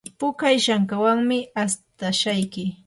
puka ishankawanmi astashayki.